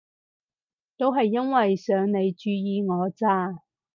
都係因為想你注意我咋